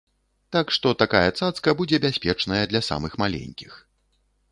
Так што такая цацка будзе бяспечная для самых маленькіх.